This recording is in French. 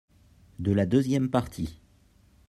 de la deuxième partie.